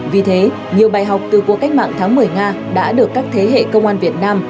vì thế nhiều bài học từ cuộc cách mạng tháng một mươi nga đã được các thế hệ công an việt nam